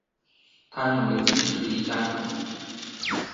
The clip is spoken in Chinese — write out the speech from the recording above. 他认为自己是一家之主